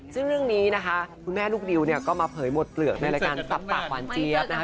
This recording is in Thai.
ซึ่งเรื่องนี้นะคะคุณแม่ลูกดิวเนี่ยก็มาเผยหมดเปลือกในรายการสับปากหวานเจี๊ยบนะคะ